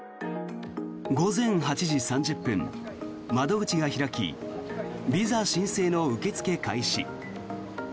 午前８時３０分窓口が開きビザ申請の受け付け開始。